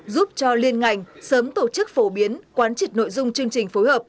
giúp cho liên ngành sớm tổ chức phổ biến quán trịt nội dung chương trình phối hợp